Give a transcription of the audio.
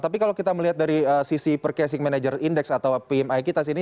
tapi kalau kita melihat dari sisi percasing manager index atau pmi kita sini